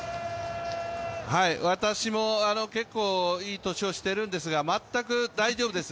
私も結構いい年をしてるんですが、全く大丈夫です。